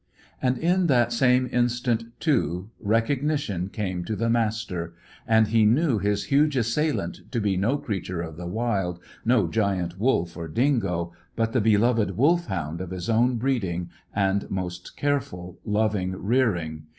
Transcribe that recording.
And in that same instant, too, recognition came to the Master, and he knew his huge assailant to be no creature of the wild, no giant wolf or dingo, but the beloved Wolfhound of his own breeding and most careful, loving rearing.